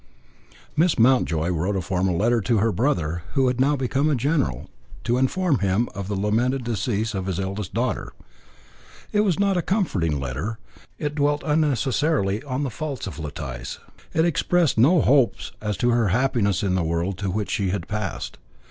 Miss Mountjoy wrote a formal letter to her brother, who had now become a general, to inform him of the lamented decease of his eldest daughter. It was not a comforting letter. It dwelt unnecessarily on the faults of Letice, it expressed no hopes as to her happiness in the world to which she had passed.